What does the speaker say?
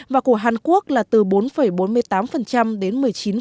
và của hàn quốc là từ bốn bốn mươi tám đến một mươi chín hai mươi năm